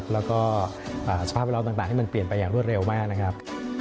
แล้วก็สภาพแวดล้อมต่างที่มันเปลี่ยนไปอย่างรวดเร็วมากนะครับ